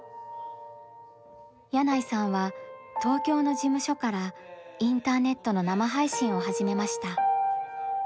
箭内さんは東京の事務所からインターネットの生配信を始めました。